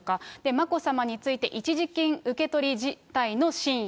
眞子さまについて、一時金受け取り辞退の真意。